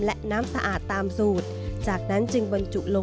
และน้ำสะอาดตามสูตร